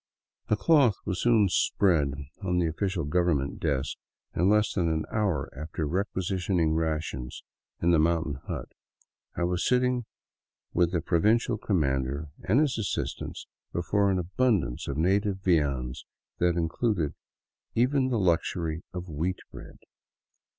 A cloth was soon spread on the official government desk and, less than an hour after requisitioning rations in the mountain hut, I was sitting with the provincial commander and his assistants before an abundance of native viands that included even the luxury of wheat bread.